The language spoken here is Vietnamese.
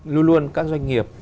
luôn luôn các doanh nghiệp